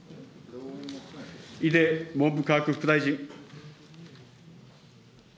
井出文部科学副大臣。